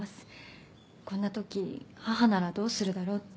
こんな時母ならどうするだろうって。